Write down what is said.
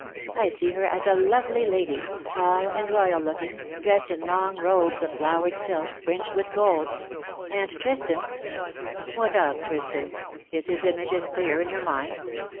I see her as a lovely lady — tall and royal looking, dressed in long robes of flowered silk, fringed with gold. And Tristan '' ^^What of Tristan? Is his image as clear in your mind?